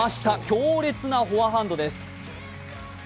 強烈なフォアハンドです。